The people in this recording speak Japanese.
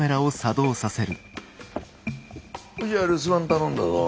ほいじゃあ留守番頼んだぞ。